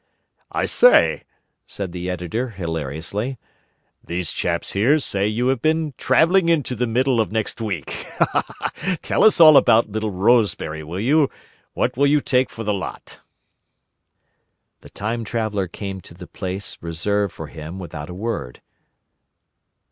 "I say," said the Editor hilariously, "these chaps here say you have been travelling into the middle of next week! Tell us all about little Rosebery, will you? What will you take for the lot?" The Time Traveller came to the place reserved for him without a word.